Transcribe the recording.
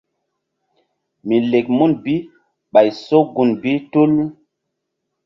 Mi lek mun bi ɓay so gun bi tul.